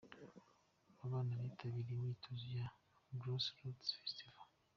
Abana bitabiriye imyitozo ya Grassroots Festival.